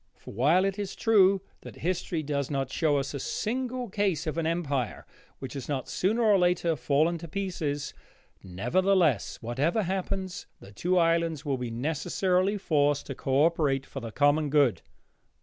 For, while it is true that history does not show us a single case of an empire which has not sooner or later fallen to pieces, nevertheless, whatever happens, the two islands will be necessarily forced to co operate for the common good.